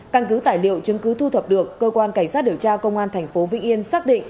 căn cứ tài liệu chứng cứ thu thập được cơ quan cảnh sát điều tra công an thành phố vĩnh yên xác định